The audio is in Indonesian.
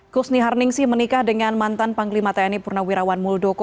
kusni harningsi menikah dengan mantan panglima tni purnawirawan muldoko